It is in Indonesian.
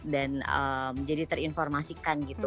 dan jadi terinformasikan gitu